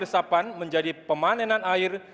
resapan menjadi pemanenan air